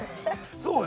そうよ。